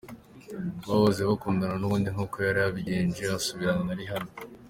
bahoze bakundana nubundi nkuko yari yabigenje asubirana na Rihanna.